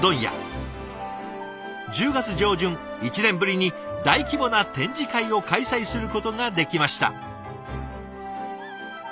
１０月上旬１年ぶりに大規模な展示会を開催することができました。